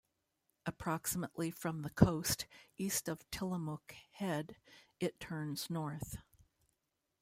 Approximately from the coast, east of Tillamook Head, it turns north.